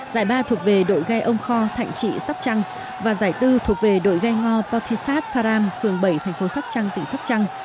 giải ba thuộc về đội ghe ông kho thạnh trị sóc trăng và giải bốn thuộc về đội ghe ngò paotisat tharam phường bảy thành phố sóc trăng tỉnh sóc trăng